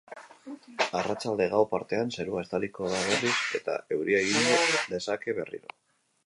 Arratsalde-gau partean zerua estaliko da berriz eta euria egin dezake berriro.